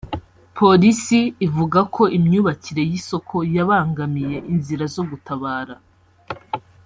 polisi ivuga ko imyubakire y’isoko yabangamiye inzira zo gutabara